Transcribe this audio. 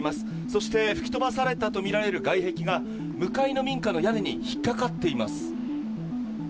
そして吹き飛ばされたとみられる外壁が向かいの民家の屋根に引っかかっています。